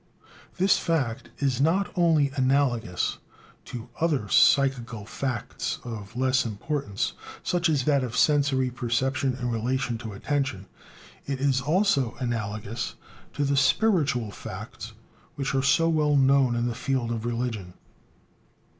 This fact is not only analogous to other psychical facts of less importance, such as that of sensory perception in relation to attention; it is also analogous to the spiritual facts which are so well known in the field of religion.